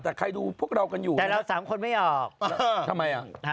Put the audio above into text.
แต่ใครดูพวกเรากันอยู่แต่เราสามคนไม่ออกเออทำไมอ่ะ